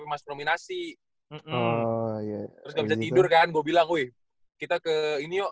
kemas nominasi terus nggak bisa tidur kan gue bilang wih kita ke ini yuk